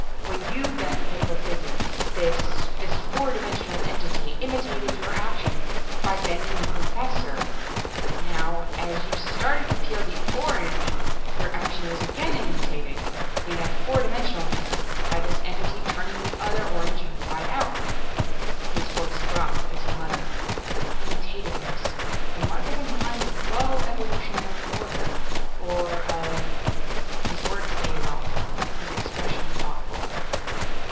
"When you bent the paper figure this this fourth dimensional entity imitated your action by bending the Professor. Now, as you started to peel the orange, your action was again imitated in a four dimensional manner by this entity turning the other orange inside out." His voice dropped, as he muttered, "Imitativeness the mark of a mind of low evolutionary order, or of ..." his words faded off, his expression thoughtful.